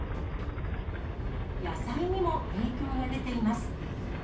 野菜にも影響が出ています。